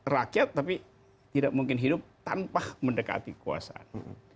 rakyat tapi tidak mungkin hidup tanpa mendekati kekuasaan